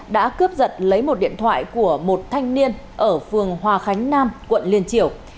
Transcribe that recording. đã cướp giật lấy một điện thoại của một thanh niên ở phường hòa khánh nam quận liên triều